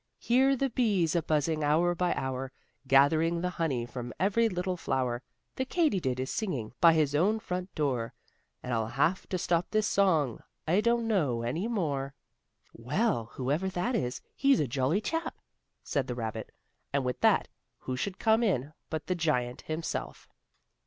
"Hear the bees a buzzing, hour by hour, Gathering the honey from every little flower. The katydid is singing by his own front door, Now I'll have to stop this song I don't know any more." "Well, whoever that is, he's a jolly chap," said the rabbit, and with that who should come in but the giant himself.